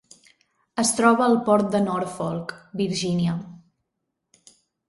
Es troba al port de Norfolk, Virgínia.